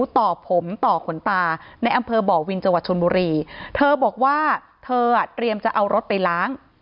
เธอบอกว่าเธออ่ะเตรียมจะเอารถไปล้าง